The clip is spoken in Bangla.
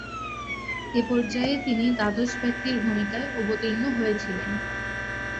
এ পর্যায়ে তিনি দ্বাদশ ব্যক্তির ভূমিকায় অবতীর্ণ হয়েছিলেন।